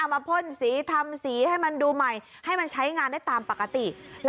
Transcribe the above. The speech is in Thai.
พ่นสีทำสีให้มันดูใหม่ให้มันใช้งานได้ตามปกติ